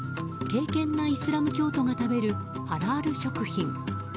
敬けんなイスラム教徒が食べるハラール食品。